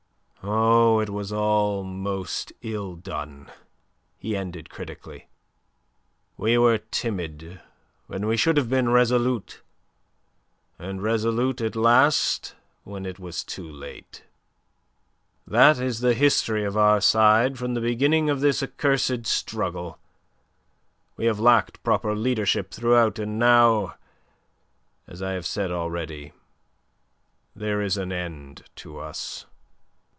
"Oh, it was all most ill done," he ended critically. "We were timid when we should have been resolute, and resolute at last when it was too late. That is the history of our side from the beginning of this accursed struggle. We have lacked proper leadership throughout, and now as I have said already there is an end to us.